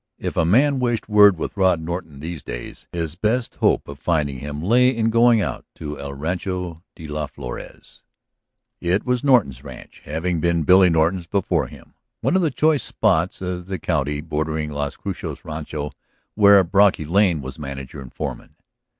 If a man wished word with Rod Norton these days his best hope of finding him lay in going out to el Rancho de las Flores. It was Norton's ranch, having been Billy Norton's before him, one of the choice spots of the county bordering Las Cruces Rancho where Brocky Lane was manager and foreman.